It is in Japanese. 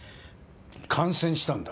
感染したんだ。